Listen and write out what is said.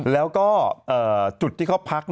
แล้วก็จุดที่เขาพัก